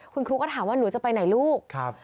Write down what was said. คุณครูก็ถามว่าหนูจะไปไหนลูก